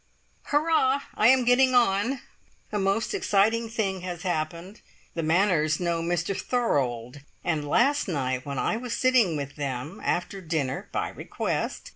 Hurrah! I am getting on. A most exciting thing has happened. The Manners know Mr Thorold, and last night, when I was sitting with then after dinner (by request!)